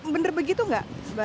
bener begitu gak